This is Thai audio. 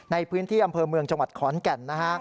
ในพื้นที่อำเภอเมืองจังหวัดขอนแก่นนะฮะ